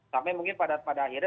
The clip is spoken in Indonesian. sampai mungkin pada akhirnya